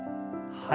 はい。